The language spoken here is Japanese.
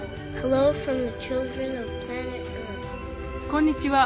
「こんにちは。